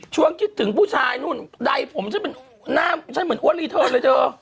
ช่วงคิดถึงผู้ชายนู่นใดผมฉันเหมือนอ้วนลีเทิร์นเลยเธอ